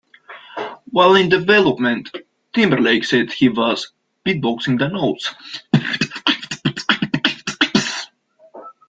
While in development, Timberlake said he was "beatboxing the notes".